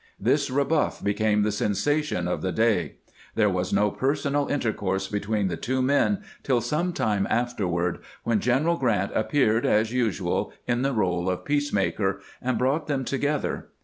This rebuff became the sensation of the day. There was no personal intercourse between the two men tiU some time afterward, when Greneral Grant appeared, as usual, in the role of peacemaker, and brought them together.